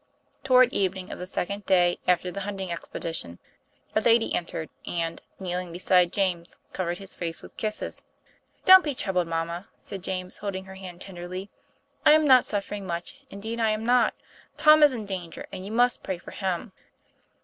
Toward evening of the second day after the hunting expedition, a lady entered and, kneeling beside James, covered his face with kisses. "Don't be troubled, mamma," said James, hold ing her hand tenderly, "I am not suffering much; indeed I am not. Tom is in danger, and you must pray for him."